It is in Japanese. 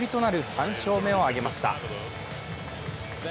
３勝目を挙げました。